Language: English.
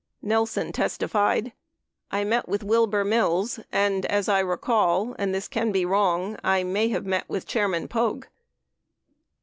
Nelson testified, "I met with Wilbur Mills and — as I recall — and this can be wrong — I may have met with Chairman Poage.